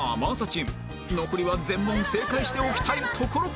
チーム残りは全問正解しておきたいところ